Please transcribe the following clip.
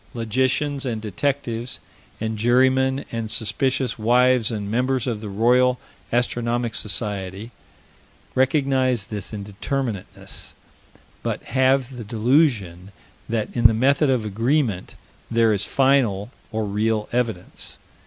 Logicians and detectives and jurymen and suspicious wives and members of the Royal Astronomic Society recognize this indeterminateness, but have the delusion that in the method of agreement there is final, or real evidence.